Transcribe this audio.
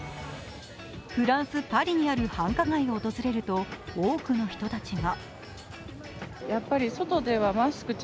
フランス・パリにある繁華街を訪れると、多くの人たちが。